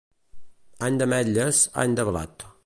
Any d'ametlles, any de blat.